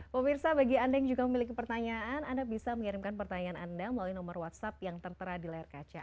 pemirsa bagi anda yang juga memiliki pertanyaan anda bisa mengirimkan pertanyaan anda melalui nomor whatsapp yang tertera di layar kaca